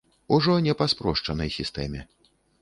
Ужо не па спрошчанай сістэме.